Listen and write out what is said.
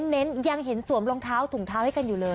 เน้นยังเห็นสวมรองเท้าถุงเท้าให้กันอยู่เลย